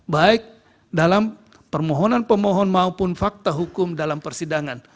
baik dalam permohonan pemohon maupun fakta hukum dalam persidangan